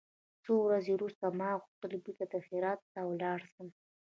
څو ورځې وروسته ما غوښتل بېرته دهراوت ته ولاړ سم.